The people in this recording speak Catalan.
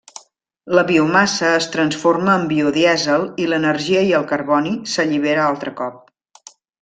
La biomassa es transforma en el biodièsel i l'energia i el carboni s'allibera altre cop.